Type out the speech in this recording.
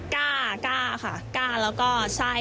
กล้ากล้าค่ะกล้าแล้วก็ใช่